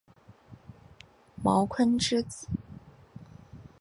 茅坤之子。